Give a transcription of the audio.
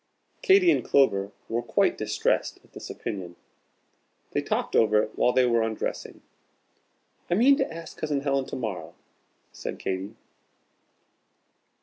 Katy and Clover were quite distressed at this opinion. They talked about it while they were undressing. "I mean to ask Cousin Helen to morrow," said Katy.